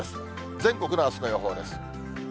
全国のあすの予報です。